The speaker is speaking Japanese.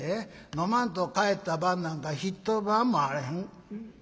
飲まんと帰った晩なんか一晩もあらへん。